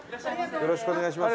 よろしくお願いします。